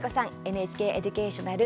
ＮＨＫエデュケーショナル